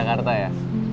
gak ada karta ya